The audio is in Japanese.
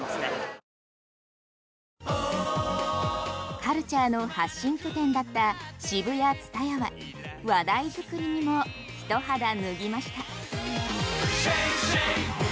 カルチャーの発信拠点だったＳＨＩＢＵＹＡＴＳＵＴＡＹＡは話題作りにも一肌脱ぎました。